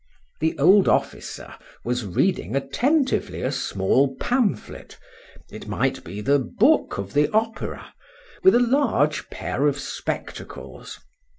The old officer was reading attentively a small pamphlet, it might be the book of the opera, with a large pair of spectacles.